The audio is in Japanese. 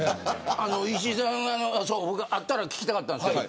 石井さんに会ったら聞きたかったんですけど